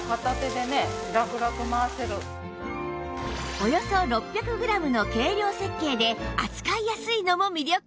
およそ６００グラムの軽量設計で扱いやすいのも魅力